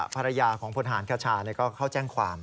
ภรรยาของพลฐานคชาก็เข้าแจ้งความ